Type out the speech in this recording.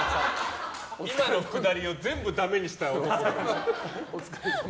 今のくだりを全部ダメにした男。